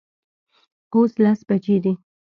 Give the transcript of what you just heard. اوس لس بجې دي